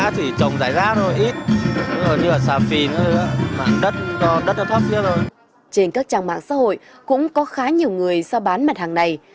trên các trang mạng xã hội cũng có khá nhiều người sao bán mặt hàng này